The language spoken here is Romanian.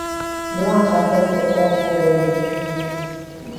Nu aceasta este ceea ce ne dorim.